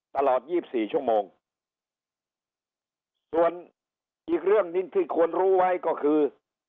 ตลอดยี่สิบสี่ชั่วโมงส่วนอีกเรื่องหนึ่งที่ควรรู้ไว้ก็คือ